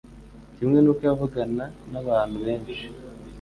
kimwe n’uko yavugana n’abantu benshi